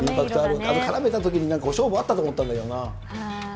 からめたときに勝負あったと思ったんだけどな。